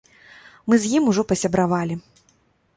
Мы з ім ужо пасябравалі.